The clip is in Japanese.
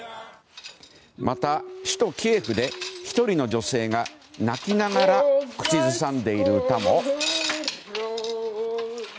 また、首都キエフで１人の女性が泣きながら口ずさんでいる歌も。